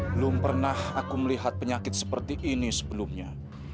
belum pernah aku melihat penyakit seperti ini sebelumnya